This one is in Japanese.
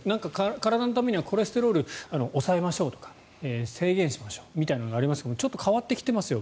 体のためにはコレステロールを抑えましょうとか控えましょうみたいなのがありますがちょっと変わってきてますよ